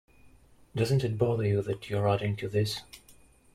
Doesn't it bother you that you're adding to this?